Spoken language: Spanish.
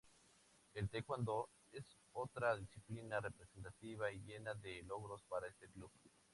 El taekwondo es otra disciplina representativa y llena de logros para este club.